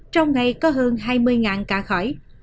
trong ngày có hơn hai mươi ca khỏi